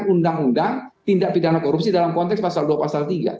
jadi undang undang tindak pidana korupsi dalam konteks pasal dua dan pasal tiga